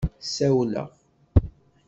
Ssawleɣ.